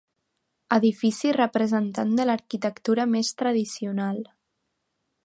Edifici representant de l'arquitectura més tradicional.